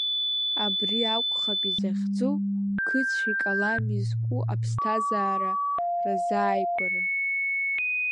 Абри акәхап изахьӡу, қыцәи калами зку аԥсҭазаара разааигәара.